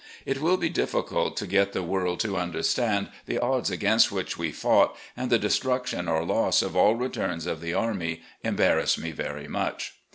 It will be difficult to get the world to understand the odds against which we fought, and the destruction or loss of all returns of the army embarrass me very much.